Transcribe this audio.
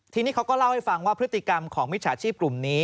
ทีนี้เขาก็เล่าให้ฟังว่าพฤติกรรมของมิจฉาชีพกลุ่มนี้